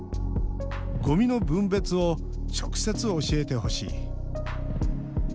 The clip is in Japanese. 「ゴミの分別を直接、教えてほしい」